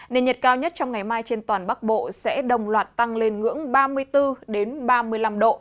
nền nhiệt cao nhất trong ngày mai trên toàn bắc bộ sẽ đồng loạt tăng lên ngưỡng ba mươi bốn ba mươi năm độ